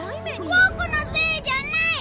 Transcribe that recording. ボクのせいじゃない！